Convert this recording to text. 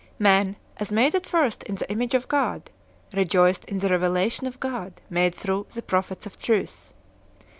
Man, as made at first in the image of God, rejoiced in the revelation of God made through the prophets of truth.